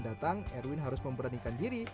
datang erwin harus memberanikan diri